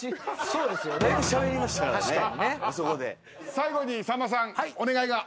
最後にさんまさんお願いが。